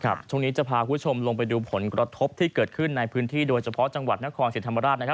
ช่วงนี้จะพาคุณผู้ชมลงไปดูผลกระทบที่เกิดขึ้นในพื้นที่โดยเฉพาะจังหวัดนครศรีธรรมราชนะครับ